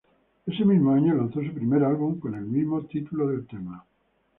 Ese mismo año lanzó su primer álbum, con el mismo título del tema.